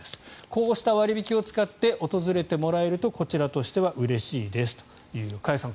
こうした割引を使って訪れてもらうとこちらとしてはうれしいですという加谷さん